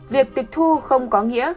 việc tịch thu không có nghĩa